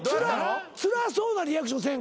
つらそうなリアクションせえ